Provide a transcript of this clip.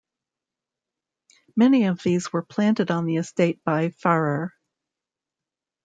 Many of these were planted on the estate by Farrer.